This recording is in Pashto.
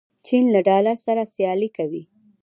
چین له ډالر سره سیالي کوي.